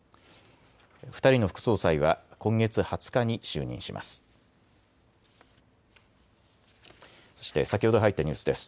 ２人の副総裁は今月２０日に就任します。